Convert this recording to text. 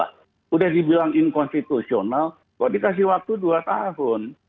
sudah dibilang inkonstitusional kok dikasih waktu dua tahun